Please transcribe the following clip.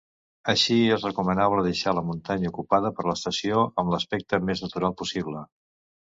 Així, és recomanable, deixar la muntanya ocupada per l'estació amb l'aspecte més natural possible.